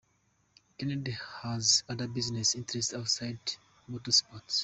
Kennedy has other business interests outside motorsport.